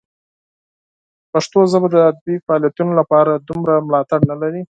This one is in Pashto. پښتو ژبه د ادبي فعالیتونو لپاره دومره ملاتړ نه لري.